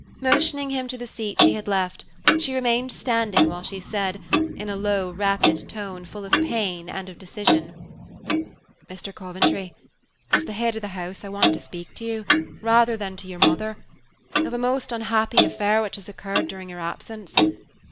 Motioning him to the seat she had left, she remained standing while she said, in a low, rapid tone full of pain and of decision: "Mr. Coventry, as the head of the house I want to speak to you, rather than to your mother, of a most unhappy affair which has occurred during your absence.